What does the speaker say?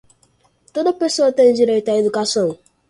Toda a pessoa tem direito à educação.